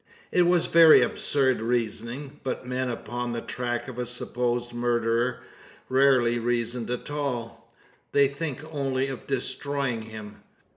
It was very absurd reasoning; but men upon the track of a supposed murderer rarely reason at all. They think only of destroying him.